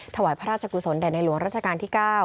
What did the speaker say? ถวายพระราชกุศลแด่ในหลวงราชการที่๙